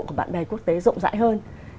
của bạn bè quốc tế rộng rãi hơn